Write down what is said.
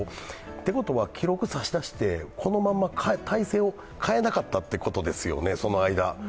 ということは、記録を差し出して、このまま体制を変えなかったということですよね、その間。